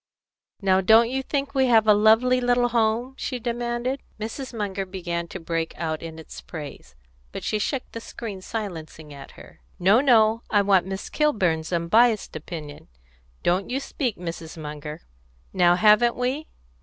"Now don't you think we have a lovely little home?" she demanded. Mrs. Munger began to break out in its praise, but she shook the screen silencingly at her. "No, no! I want Miss Kilburn's unbiassed opinion. Don't you speak, Mrs. Munger! Now haven't we?"